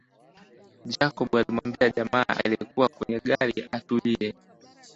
Jacob alimwambia jamaa aliyekuwa kwenye gari atulie